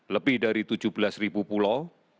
lebih dari tujuh belas ribu pulau